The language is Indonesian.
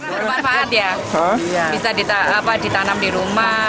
bermanfaat ya bisa ditanam di rumah